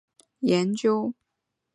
帕尔默站多为对海洋生物进行研究。